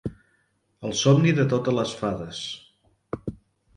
El somni de totes les fades